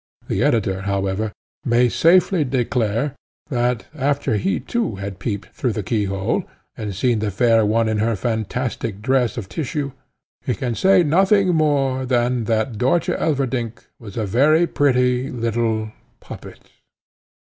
The editor, however, may safely declare, that, after he too had peeped through the key hole, and seen the fair one in her fantastic dress of tissue, he can say nothing more than that Dörtje Elverdink was a very pretty little puppet.